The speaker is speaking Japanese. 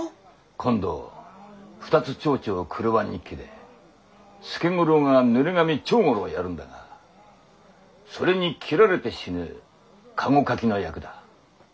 今度「双蝶々曲輪日記」で助五郎が濡れ髪長五郎をやるんだがそれに斬られて死ぬ駕籠かきの役だ。